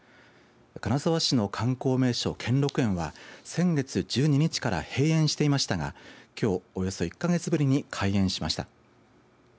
金沢市の観光名所、兼六園は先月１２日から閉園していましたがきょう、およそ１か月ぶりに開園しました。